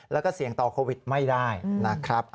แล้วก็เสี่ยงต่อโควิดไม่ได้นะครับ